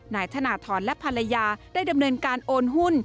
นายธนทรและภรรยาได้ดำเนินการโอนหุ้น